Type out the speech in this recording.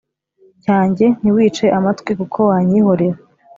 Cyanjye ntiwice amatwi kuko wanyihorera